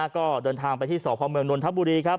ก็เดินทางไปที่สพมนทัพบุรีครับ